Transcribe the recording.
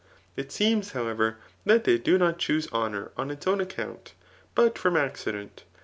It seems, however, that they do not choose honour on its own account, but from accident.